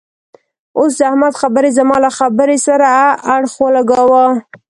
اوس د احمد خبرې زما له خبرې سره اړخ و لګاوو.